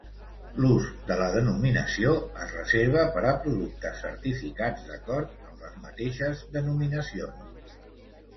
L'ús de la denominació es reserva per a productes certificats d'acord amb les mateixes denominacions.